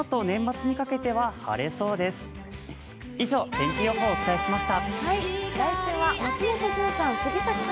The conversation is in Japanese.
天気予報をお伝えしました。